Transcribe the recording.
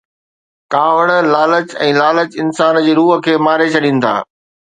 ڪاوڙ، لالچ ۽ لالچ انسان جي روح کي ماري ڇڏين ٿا